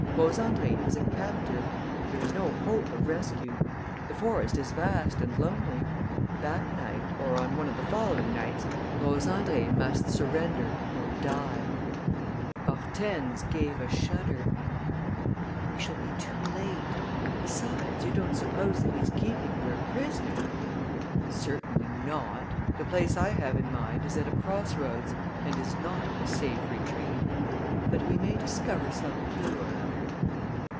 Rose Andrée is a captive. There is no hope of rescue. The forest is vast and lonely. That night, or on one of the following nights, Rose Andrée must surrender ... or die." Hortense gave a shudder: "We shall be too late. Besides, you don't suppose that he's keeping her a prisoner?" "Certainly not. The place I have in mind is at a cross roads and is not a safe retreat. But we may discover some clue or other."